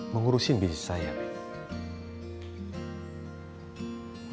mengurusin bisnis saya bit